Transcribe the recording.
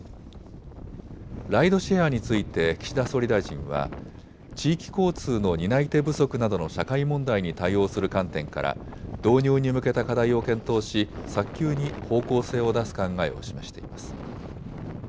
ライドシェアについて岸田総理大臣は地域交通の担い手不足などの社会問題に対応する観点から導入に向けた課題を検討し早急に方向性を出す考えを示しています。